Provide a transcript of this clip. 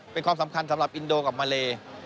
เป็นความสำคัญสำหรับอินโดกับมาเล